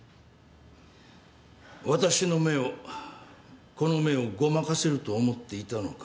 私の目をこの目をごまかせると思っていたのか？